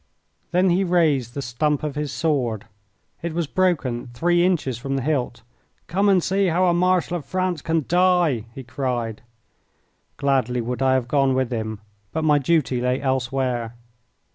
Then he raised the stump of his sword it was broken three inches from the hilt. "Come and see how a Marshal of France can die!" he cried. Gladly would I have gone with him, but my duty lay elsewhere.